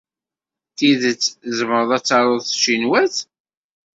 D tidet tzemreḍ ad taruḍ s tcinwat?